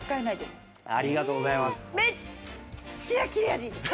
ありがとうございます。